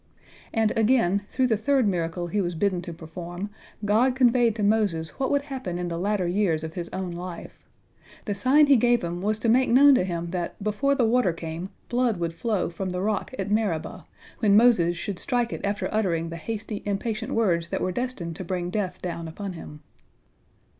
And, again, through the third miracle he was bidden to perform, God conveyed to Moses what would happen in the latter years of his own life. The sign He gave him was to make known to him that, before the water came, blood would flow from the rock at Meribah, when Moses should strike it after uttering the hasty, impatient words that were destined to bring death down upon him.